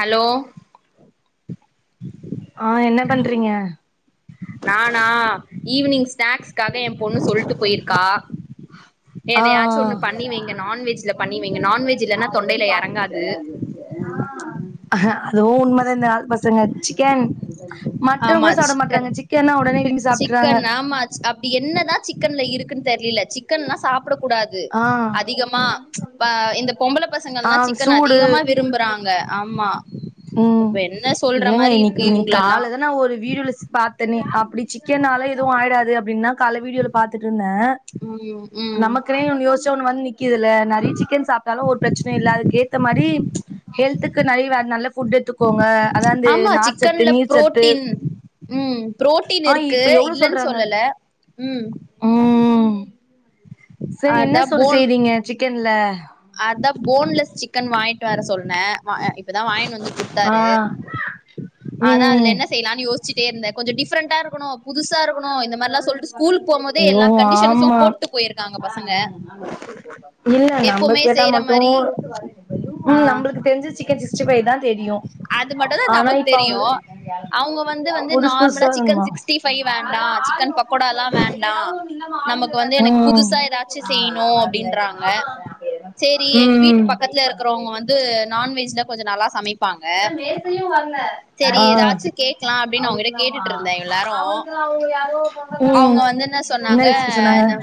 Hello ஆ என்ன பண்றீங்க நானா ஈவினிங் ஸ்நேக்ஸ்காக ஏ பொண்ணு சொல்ட்டு போயிர்க்கா ஆ எதையாச்சு ஒண்ணு பண்ணிவைங்க நான்வெஜ்ல பண்ணி வைங்க நான்வெஜ் இல்லனா தொண்டையில எறங்காது அதுவு உண்மதா இந்த காலத் பசங்க சிக்கன் ஆமா மட்டோங்கூட சாப்ட சிக்கன் மாட்றாங்க சிக்கன்னா ஒடனே விரும்பி சாப்ட்டுறாங்க சிக்கன் ஆமா அப்டி என்னதா சிக்கன்ல இருக்குன் தெரியல சிக்கன்லா சாப்டக்கூடாத் து ஆ அதிகமா பா இந்த பொம்பள ஆ பசங்கள்ளா சிக்கன் சூடு அதிகமா வி ரும்புறாங்க ஆமா உம் இப்ப என்ன சொல்ற இல்லங்க மாரி இருக்கு இன்னைக்கி நி இவுங்களெல்லா கால்லதா நா ஒரு வீடியோல சீ பாத் தனே அப்டி சிக்கன்னால எதுவு ஆயிடாது அப்டின்தா கால வீடியோல பாத்துட்ருந்தே உம் உம் கே ஒன்னு யோசிச்சா ஒன்னு வந் நிக்கிதுல்ல நெறைய சிக்கன் சாப்டாலு ஒரு பிரச்சனையு இல்ல அதுக்கேத்த மாரி ஹெல்த்துக்கு நெறையவ நல்ல ஃபுட் எடுத்துக்கோங்க அதா இந்து நார்ச்சத்து நீர்ச்சத்து உம் புரோட்டீன் ஆ இருக்கு இப்ப இல்லன் சொல்லல உம் உம் செரி என்ன அதா சொலு போன் செய்றீங்க சிக்கன்ல அதா போன்லெஸ் சிக்கன் வாய்ங்ட்டு வர சொல்னே மா அ இப்பதா வாயின் வந்து ஆ குடுத்தாரு ஆதா அதுல ம் என்ன செய்யலானு யோசிச்சிட்டே இருந்தே கொஞ்சொ டிஃப்ரெண்டா இருக்கணூ புதுசா இருக்கணு இந்த மாரில்லா சொல்ட்டு ஸ்கூலுக் போம்போதே ஐயோ எல்லா கண்டிஷனுஸு போட்டு போயிருக்காங்க பசங்க சரி இல்ல நம்ப எப்பவுமே கேட்டா செய்யற மட்டூ மாரி ஆ ம் நம்பளுக்கு தெரிஞ்சது சிக்கன் சிக்ஸ்ட்டீ ஃபை தா தெரியு அது மட்டுந்தா ஆனா நமக்கு இப்ப தெரியு அவங்களு அவங்க வந்து வந்து புதுசு நார்மலா புதுசா சிக்கன் வேணுமா சிக்ஸ்டி ஃபைவ் வேண்டா சிக்கன் பக்கோடாலா வேண்டா நமக்கு வந்து எனக்கு புதுசா உம் ஏதாச்சு செய்யணு அப்டின்றாங்க உம் டு நான்வெஜ்ல கொஞ்சோ நல்லா சமைப் பாங்க செரி எதாச்சு கேக்லா அப்டினு அவங்கட்ட கேட்டுட்ருந்தே இவல்லாரூ ம் அவங்க வந்து என்ன சொன்னாங்க ரெசிபி சொன்னாங்க இன்ன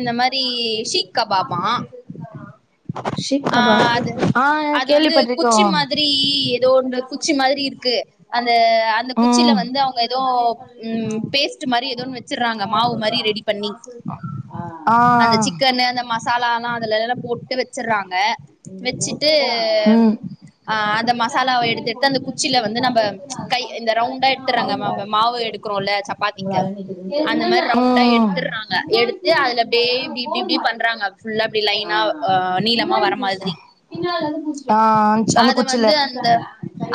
இந்த மாரி ஷீ கபாப் ஆ ஷீக் ஆ கபாப் அது ஆ அது வந்து கேள்விப்பட்டிருக்கோ குச்சி மாதிரி ஏதோ அந்த குச்சி மாதிரி இருக்கு அந்த அந்த குச்சில ம் வந்து அவுங்க ஏதோ ம் பேஸ் ட்டு மாரி ஏதோன் வச்சிறாங்க மாவு மாரி ரெடி பண்ணி ஆ அந்த சிக்கனு அந்த மா சாலா எல்லா அதுல அதுல போட்டு வச்சறாங்க வெச்சிட்டு ம் அ அந்த மசாலாவ எடுத்து எடுத்து அந்த குச்சில வந்து நம்ப கை இந்த ரவுண்டா எடுத்துறாங்க ம மாவ எடு க்குறோல சப்பாத்திக்கு அந்த மாரி ரவுண்டா ம் எடுத்துறாங்க எடுத்து அதுல அப்டே இப்டி இப்டி இப்டி பண்றாங்க ஃபுல்லா அப்டி லைனா அ நீளமா வர மாதிரி ஆ அந்த அத குச்சில வந்து அந்த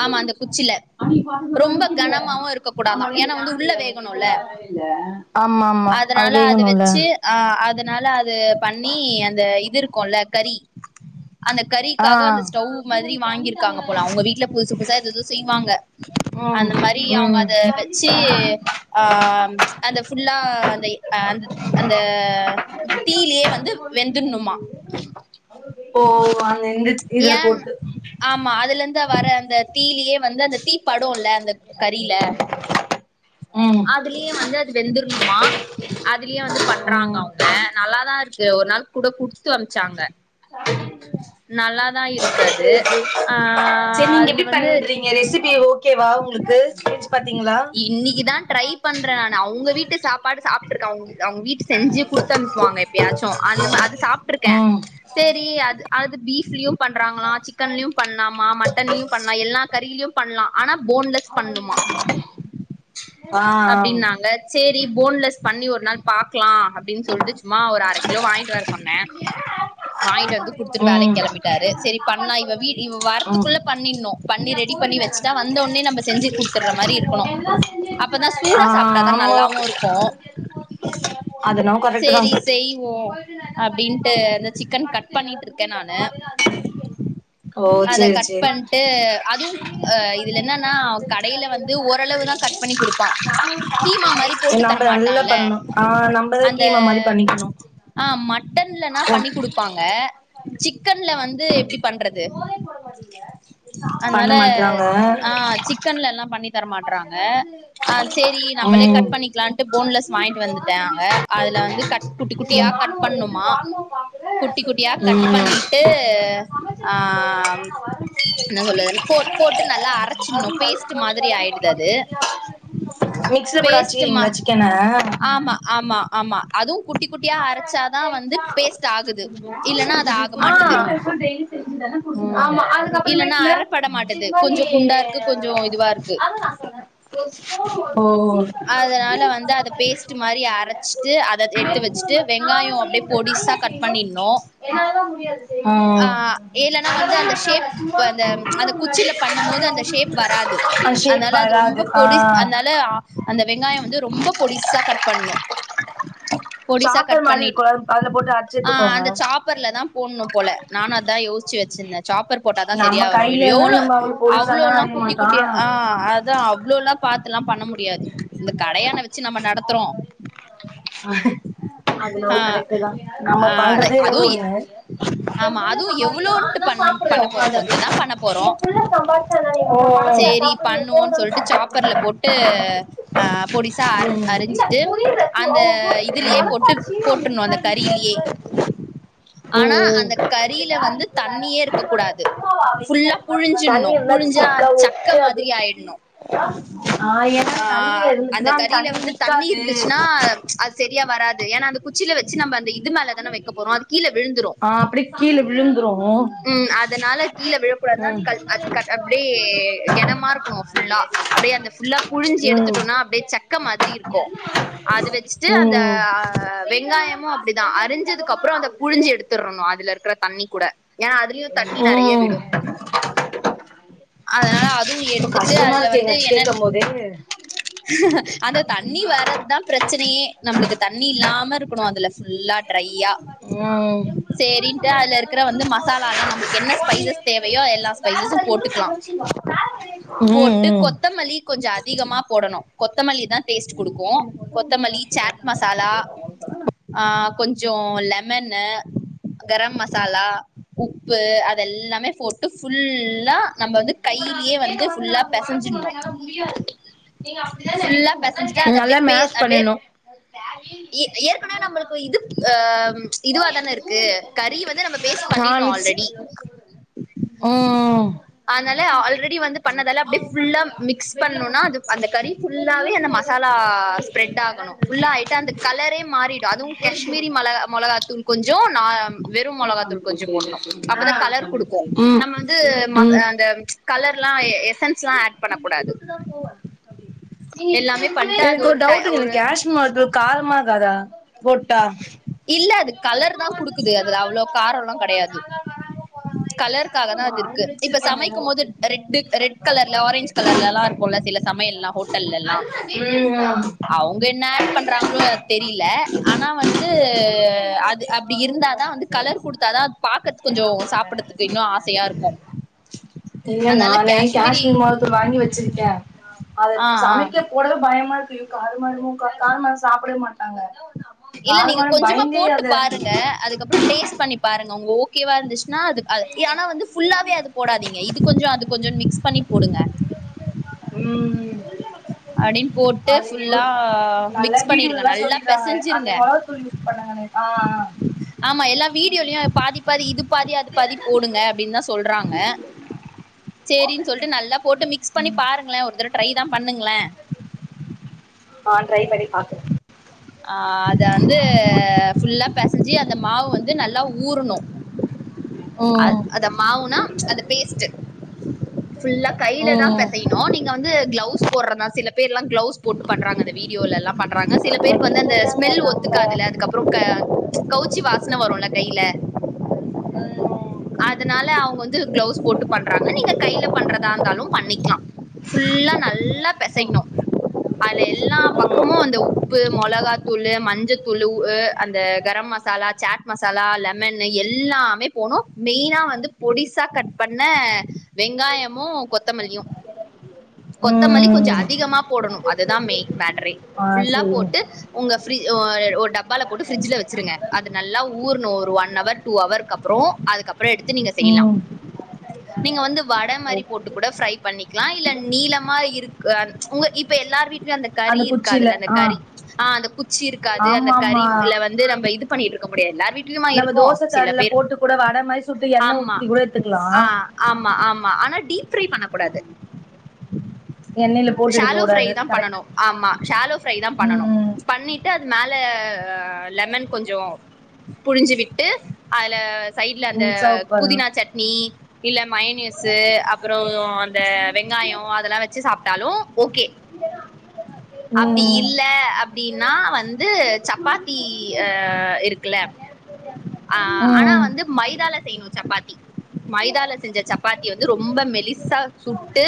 ஆமா அந்த குச்சில அண்ணி பாத்து கூட ரொம்ப நிக்குது கனமாவு இருக்க ஆமா கூடாதா நேத்து ஏன்னா வந்து ஞாயித்து உள்ள கெழம வேகணுல வரமே இல்ல ஆமா ஆமா அது அதனால அத வேகனுல்ல வச்சு ஆ அதனால அது பண்ணி அந்த இது இருக்குல கறி அந்த ஆ கறிக்காக அந்த ஸ்டவ் மாதிரி வாங்கிருக்காங்க போல அவுங்க வீட்ல புதுசு புதுசா எதேதோ செய்வாங்க ம் அந்த மாரி அவுங்க ம் அத வச்சி ஆ அந்த ஃபுட் ல்லா அந்த அந்த அந்த தீய்லே வந்து வெந்துர்னுமா ஓ அந்த இந்த இதுல ஏன் போட்டு ஆமா அதுலந்த வர அந்த தீய்லியே வந்து அந்த தீ படுல்ல அந்த கறியில ம் அதுலேயே வந்து அது வெந்துர்னுமா அதுலயே வந்து பண்றாங்க ம் அவுங்க நல்லாதா இருக்கு ஒரு நாள் கூட குடுத்து அம்ச்சாங்க [unintelligible] இருக்கு அது செரி செரி ஆ செரி நீங்க அதுல எப்டி வந்து பண்றீங்க ரெசிபி ஓகேவா உங்ளுக்கு இன்னிக்கு தா ட்ரை பண்ற நானு அவுங்க வீட்டு சாப்பாடு சாப்ட்ருக்க அவுங்க அவுங் வீட்டு செஞ்சி குடுத் அனுப்புவாங்க எப்யாச்சு அந்த மா அது சாப்ட்ருக்கே ம் செரி அது அது பீஃப்லியு பண்றாங்களா சிக்கன்லியு பண்லாமா மட்டன்லியு பண்லா எல்லா கறிலியு பண்லா ஆனா போன்லெஸ் பண்ணுமா ஆ அப்டின்னாங்க சேரி போன்லெஸ் பண்ணி ஒரு நாள் பாக்லா அப்டின் சொல்ட்டு சும்மா ஒரு அர கிலோ வாய்ங்ட்டு வர சொன்ன ஆ [unintelligible] வாய்ங்கிட்டு வந்து குடுத்துட்டு வேலைக் கெளம்பிட்டாரு சேரி பண்லா இவ வீடு இவ ம் வரத்துக்குள்ள பண்ணினு பண்ணி ரெடி பண்ணி வச்ட்டா வந்தவொனே நம்ம செஞ்சி குட்த்துற மாரி இருக்கனு அப்பதா ஆ சூடா சாப்டாதா ஆமா நல்லாவு இருக்கு அது என்னவோ கரெக்ட் தான் சேரி செய்வோ அப்டின்ட்டு அந்த சிக்கன் கட் பண்ணிட்ருக்கே நானு ஓ அத சேரி கட் சேரி பண்ட்டு அதுவு அ இதுல என்னன்னா கடையில வந்து ஓரளவுதா கட் பண்ணி குடுப்பா கீமா மாரி போட்டு தர நம்ம நல்லா மாட்டால்ல பண்ணணும் ஆ நம்மதா அந்த கீமா மாரி பண்ணிக்கணும் ஆ மட்டன்லனா ஓ பண்ணி குடுப்பாங்க சிக்கன்ல வந்து எப்டி பண்றது பண்ண அதனால மாட்றாங்க ஆ சிக் கன்ல எல்லா பண்ணி தர மாட்றாங்க ஆ சேரி நம்மளே ம் கட் பணிக்லான்ட்டு போன்லெஸ் வாய்ன்ட்டு வந்துட்டேங்க அதுல வந்து கட் குட்டி குட்டியா கட் பண்ணுமா குட்டி குட்டியா கட் பண்ணிட்டு ஆ என்ன சொல்லறதுன் ஃபோட் போட்டு நல்லா அரச்சினு பேஸ்ட் மாதிரி ஆயிடுது அது மிக்ஸில போட்டு பேஸ்ட்டுமா அரச்சுக்கிறீங்ளா சிக்கன ஆமா ஆமா ஆமா அதுவு குட்டி குட்டியா அரச்சாதா வந்து பேஸ்ட் ஆகுது இல்லன்னா அது ஆக ஆ மாட்டுது ஆமா இல்லன்னா அதுக்கப்பறமேட்ல அறப்பட இது மாட்டுது மாதிரி கொஞ்சோ குண்டா இருக்கு கொஞ்சோ இதுவா இருக்கு அதா நா சொன்ன ஓ அதனால வந்து அத பேஸ்ட் மாரி அரச்சிட்டு அத எடுத்து வச்சிட்டு வெங்காயோ அப்டியே பொடிசா கட் பண்ணிடணு என்னலாத ம் ஏலனா வந்து அந்த ஷேப் அந்த அந்த குச்சில பண்ணும்போது அந்த ஷேப் வராது அது ஷேப் அதுனால அது ரொம்ப வராது ஆ பொடி அதுனால அந்த வெங்காயோ வந்து ரொம்ப பொடிசா கட் பண்ணனு பொடிசா சாப்பர் கட் மாரி பண்ணிட் இருக்குல அதுல போட்டு அடிச்சு ஆ எத்துக்கோங்க அந்த சாப் சாப்பர்ல தா போடணு போல நானு அதா யேசிச்சி வச்சிருந்தே சாப்பர் போட்டாதா நம்ம சரியா வரு இல்ல கைலலா எவ்ளோ நம்ம அவ்ளோ பொடிசாலா அவ்ளோல்லா அரிய குட்டி மாட்டோ குட்டியா ஆ அதா அவ்ளோல்லா பாத்து எல்லா பண்ண முடி இந்த கடையான வச்சி நம்ம நடத்துறோ உஹ அது ஆ என்னவோ கரெக்ட் தா நம்ம ஆ அத பண்றதே ஏதோ அதுவு ஒண்ணு ஆமா அதுவு எவ்ளோன்ட்டு பண்ண பண்ண போறோ கொஞ்ச தா பண்ண போறோ சேரி பண்ணுவோன்னு சொல்ட்டு ஓ சாப்பர்ல போட்டு ஆ பொடிசா அர ம், அரிஞ்சிட்டு அந்த இதுலயே போட்டு போட்ருணு அந்த கறிலயே ஆனா ம். அந்த இங்க கறில வந்து தண்ணியே இருக்க கூடாது ஃபுல்லா புழிஞ்சிடணு தண்ணி இருந்தா அது புழிஞ்சா ஸ்டிக்கா சக்க ஒட்டாது மாதிரி ஆயிடணு ஆ அதா என்ன ஆ அந்த கறில வந்து தண்ணி இருந்துச்சின்னா அது சரியா வராது ஏன்னா அந்த குச்சில வச்சி நம்ம அந்த இது மேலதான வைக்க போறோ அது கீழ விழுந்துரு கீழ விழுந்துரு ம் அதனால கீழ விழக்கூடாதுன்னா அது கல் அது அப்டியே கணமா இருக்கணு ஃபுல்லா அப்டியே அந்த ஃபுல்லா புழிஞ்சி ம், எடுத்துட்டோன்னா அப்டியே சக்க மாதிரி இருக்கு அது வச்சிட்டு அந்த போயிடுவோம். ம், ஆ வெங்காயமும அப்டித் அரிஞ்சதுக்கு அப்பறோ அந்த புழிஞ்சி எடுத்துரணு அதுல இருக்குற தண்ணி கூட ஏன்னா அதுலயு தண்ணி நெறையா ம். விடு அதனால அதுவு எடுத்துட்டு அதுல வந்து என்னன் பொது அந்த தண்ணி வர்றதுதா பிரச்சனையே நம்மளுக்கு தண்ணி இல்லாம இருக்கணு அதுல ஃபுல்லா ட்ரையா ம் சேரின்னுட்டு அதுல இருக்குற வந்து மசாலால்லா நம்மளுக்கு என்ன ஸ்பைசஸ் தேவையோ எல்லா ஸ்பைசசு போட்டுக்கலா போட்டு ம் கொத்தமல்லி கொஞ்சோ அதிகமா போடணு கொத்தமல்லி தா டேஸ்ட் குடுக்கு கொத்தமல்லி சாட் மசாலா ஆ கொஞ்சோ லெமன்னு கரம் மசாலா உப்பு அதெல்லாமே போட்டு ஃபுல்லா நம்ம வந்து கையிலயே வந்து ஃபுல்லா பெசஞ்சிடணு ஃபுல்லா பெசஞ்சுட்டா அது நல்லா அப்டியே பே மேஷ் அப்டியே பண்ணிர்னு ஏ ஏற்கனவே நம்மளுக்கு இது ஆ இதுவா தான இருக்கு கறிய வந்து நம்ம பேஸ்ட் ஆ பண்ணிட்டோ மிக்ஸ் ஆல்ரெடி ம் அதனால ஆல்ரெடி வந்து பண்ணதெல்லா அப்டியே ஃபுல்லா மிக்ஸ் பண்ணும்னா அது அந்த கறி ஃபுல்லாவே அந்த மசாலா ஸ்ப்ரெட் ஆகணும் ஃபுல்லா ஆயிட்டு அந்த கலரே மாறிடும் அதுவும் காஷ்மிரி மெளகா மொளகாத்தூள் கொஞ்சம் நா வெறும் மெளகாத்தூள் கொஞ்சம் போடணும் அப்பதான் கலர் குடுக்கும் ம் நம்ம வந்து ம் அந்த அந்த கலர் எல்லாம் எசன்ஸ்ல்லாம் ஆட் பண்ணக்கூடாது போ பண்ட்டு அது எனக்கு ஒரு டை டவுட்டுங்க இந்த ஒரு கஷ்மிரி மிளகாத்தூள் காரமாகாதா போட்டா இல்ல அது கலர் தான் குடுக்குது அதுல அவ்வளவு காரம்ல்லா கெடையாது கலருக்காக தான் அது இருக்கு இப்ப ம் சமைக்கும் போது ரெட்டு ரெட் கலர்ல ஆரஞ்ச் கலர்லலாம் இருக்கும்ல்ல சில சமையல்லாம் ஹோட்டல்ல எல்லாம் அவுங்க என்ன ஆட் பண்றாங்களோ அது தெரியல ஆனா வந்து ந்து அது அப்படி இருந்தாதான் வந்து கலர் குடுத்தாதான் அது பாக்குறதுக்கு கொஞ்சம் சாப்புடுறதுக்கு இன்னும் ஆசையா இருக்கும் இல்ல நானே காஷ்மீர் மொளகாத்தூள் வாங்கி வச்சிருக்கே அத ஆ ஆ சமைக்க போடவே பயமா இருக்கு ஐயோ காரமா ஆயிருமோ காரமா சாப்டவே மாட்டாங்க இல்ல நீங்க காரமான கொஞ்சமா பயந்தே போட்டு அத பாருங்க அதுக்கப்புறம் டேஸ்ட் பண்ணி பாருங்க உங்க ஓகேவா இருந்துச்சுன்னா அது அது ஆனா வந்து ஃபுல்லாவே அது போடாதீங்க இது கொஞ்சம் அது கொஞ்சம் மிக்ஸ் பண்ணி போடுங்க உம் அப்டின்னு போட்டு அது யோ ஃபுல்லா நல்ல மிக்ஸ் பண்ணிருங்க வீடியோல்லலாம் நல்லா சொல்லி இருந்தாங்க அந்த பெசஞ்சிருங்க மொளகாத்தூள் பண்ணுங்கன்னு ஆ ஆ ஆமா எல்லா வீடியோலையும் அ பாதி பாதி இது பாதி அது பாதி போடுங்க அப்படின்னு தா சொல் சொல்றாங்க சேரின்னு சொல்ட்டு நல்லா போட்டு மிக்ஸ் பண்ணி பாருங்கள ஒரு தட ட்ரை தான் பண்ணுங்களே ஆ ட்ரை பண்ணி பாக்குற ஆ அத வந்து ஃபுல்லா பெசஞ்சு அந்த மாவு வந்து நல்லா ஊறணும் அ ம் அத மாவுனா அந்த பேஸ்ட்டு ஃபுல்லா கையில தா ம் பெசையனு னு நீங்க வந்து கிளவுஸ் போட்றதான் சில பேர் எல்லாம் கிளவுஸ் போட்டு பண்றாங்க அந்த வீடியோலல்லாம் பண்றாங்க சில பேருக்கு வந்து வீட்ல அந்த இருந்தாங்க ஸ்மெல் நாம்ப ஒத்துக்காதுல அதுக்கப்புறம் க கவுச்சி வாசன வரும்ல கையில அதுனால அவுங்க வந்து கிளவுஸ் போட்டு பண்றாங்க நீங்க கையில பண்றதா இருந்தாலும் பண்ணிக்கலாம் ஃபுல்லா நல்லா பெசையணும் அதுல எல்லா பக்கமும் அந்த உப்பு மொளகாத்தூளு மஞ்சத்தூளு அந்த கரம் மச மசாலா சேட் மசாலா லெமன் எல்லாமே போனும் மெயினா வந்து பொடிசா கட் பண்ண வெங்காயமும் கொத்தமல்லியும் அ [inaudible] கொத்தமல்லி கொஞ்சம் அதிகமா போடணும் அதுதான் மெய்ன் மேட்ரே ஆ ஃபுல்லா சேரிங்க போட்டு உங்க ப்ரிட்ஜ் ஒரு டப்பால போட்டு ப்ரிட்ஜ்ல வச்சிருங்க அது நல்லா ஊரணும் ஒரு ஒன் அவர் டூ அவர்க்கப்புறம் அப்புறம் அதுக்கப்புறம் எடுத்து நீங்க செய்யலாம் ம் நீங்க வந்து வட மாதிரி போட்டு கூட ப்ரை பண்ணிக்கலாம் இல்ல நீளமா இரு க்க உங்க இப்ப எல்லார் வீட் அந்த கறி குச்சில இருக்காதுல்ல அந்த ஆ கறி ஆ அந்த குச்சி இருக்காது அந்த ஆமா ஆமா கறில்ல வந்து நம்ம இது பண்ணிகிட்டு இருக் க்க முடியாது எல்லார் வீடலயுமா நம்ம இருக்கும் தோச சில கல்ல பேர் போட்டு கூட வட மாதிரி சுட்டு எண்ண ஆமா ஊத்தி கூட எடுத்துக்கலாம் ஆ ஆமா ஆமா ஆனா டீப் ப்ரை பண்ணக் கூடாது எண்ணெயில போட்டு எடுக்க ஷலோ ப்ரை கூடாது தான் கரெக்ட் பண்ணனும் ஆமா ஷலோ ப்ரை தான் ம் பண்ணனும் ம் பண்ணிட்டு அது மேல லெமன் கொஞ்சம் புழிஞ்சு விட்டு அதுல சைட்ல அந்த ம் சர்வ் பண்ணணு புதினா சட்னி இல்ல மயனிஸ்ஸு. அப்புறம் அந்த வெங்காயம் அதெல்லாம் வச்சு சாப்பிட்டாலும் ஓகே அப்படி ம் இல்ல அப்படின்னா வந்து சப்பாத்தி அ இருக்குல ஆ ஆனா ம் வந்து மைதால செய்யணும் சப்பாத்தி மைதால செஞ்ச சப்பாத்தி வந்து ரொம்ப மெலிசா சுட்டு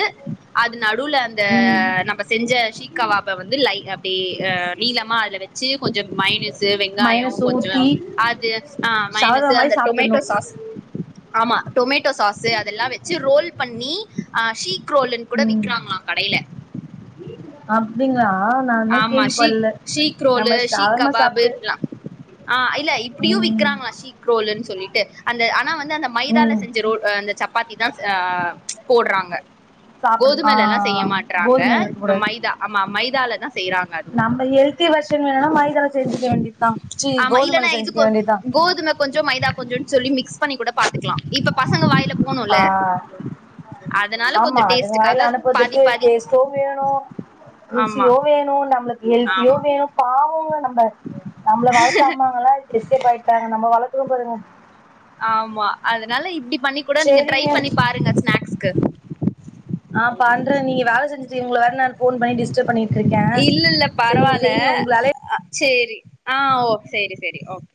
அது நடுல அந்த ம் நம்ம செஞ்ச ஷீக்கவாப வந்து லை அப்படியே நீளமா அதுல வச்சு கொஞ்சம் மைனுயனி வெங்காயம் மைனஸ் கொஞ்சம் ஊத்தி அது ஆ மைனஸ் ஷவர்மா மாரி அந்த சாப்ட்றணு டொமேட்டோ சாஸ் ஆமா டொமேட்டோ சாஸு அதெல்லாம் வச்சு ரோல் பண்ணி அ ஷீக் ரோல்ன்னு கூட விக்கிறாங்களாம் கடையில அப்படிங்களா நான் அது மாறி ஆமா கேள்வி ஷீக் படல ஷீக் ரோலு நம்ம ஷீக் சவர்மா கபாபு சாப்பிட்டு ஆ இல்ல இப்படியும் விக்கிறாங்களா ஷீ ரோலன்னு சொல்லிட்டு அந்த ஆனா வந்து அந்த மைதால ம் செஞ்ச ரோ அந்த சப்பாத்தி தான் அ போடுறாங்க சாப்டணு ஆ கோதுமைல எல்லாம் செய்ய மாட்டறாங்க கோதுமைல இருக்க இந்த கூடாது மைதா ஆமா மைதால தான் செய்யறாங்க அதுவு நம்ம ஹெல்த்தி வர்ஷன் வேணும்னா மைதாை செஞ்சுக்க வேண்டியதுதான் ஆமா இல்லன்னா இதுக்கு கோதும கொஞ்சம் மைதா கொஞ்சம் சொல்லி மிகஸ் பண்ணி கூட பாத்துக்கலாம் இப்ப பசங்க வாயில போணும்ல ஆ அதனால ஆமா கொஞ்சோ அதுங்க டேஸ்ட்டுக்காக வாயில பாதி அனுப்புறதுக்கு பாதி டேஸ் யும் வேணும் ஆமா ருசியும் வேணும் நம்மளுக்கு ஆமா ஹெல்த்தியும் வேணும் பாவங்க நம்ம நம்மள வளத்த அம்மாங்கல்லாம் பிக்கப் ஆயிட்டாங்க நம்ம வளத்துறம் பாருங்க ஆமா அதனால இப்படி பண்ணி கூட நீங்க ட்ரை சேரிங்க பண்ணி பாருங்க ஸ்நாக்ஸ்க்கு ஆ பண்றேன் நீங்க வேல செஞ்சுட்டு இருக்கவங்கள வேற நான் ஃபோன் பண்ணி டிஸ்டப் பண்ணின் இல்ல இல்ல பரவால சரி ஆ ஓ சரி சரி ஓகே